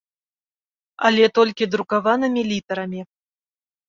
Але толькі друкаванымі літарамі.